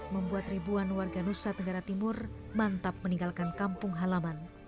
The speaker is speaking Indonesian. membuat ribuan warga nusa tenggara timur mantap meninggalkan kampung halaman